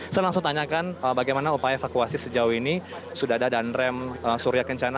saya langsung tanyakan bagaimana upaya evakuasi sejauh ini sudah ada danrem surya kencana